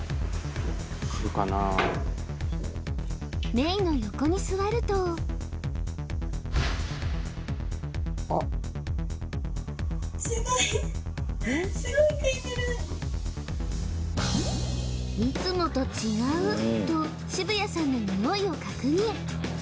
メイの横に座ると「いつもと違う」と渋谷さんのニオイを確認